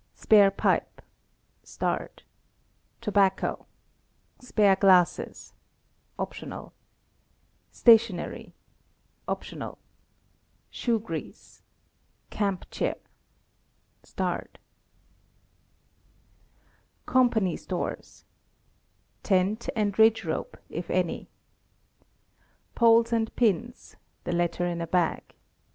*Spare pipe. • Tobacco. '^ Spare glasses (?).*" Stationery (?).— Shoe grease. *Camp chair. COMPANY STORES. Tent, and ridge rope, if any. *Poles and pins (the latter in a bag).